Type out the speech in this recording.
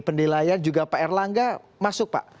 penilaian juga pak erlangga masuk pak